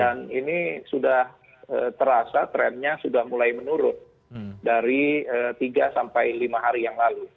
ini sudah terasa trennya sudah mulai menurun dari tiga sampai lima hari yang lalu